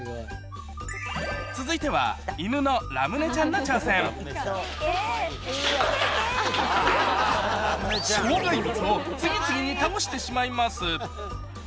続いてはイヌのラムネちゃんの挑戦障害物を次々に倒してしまいます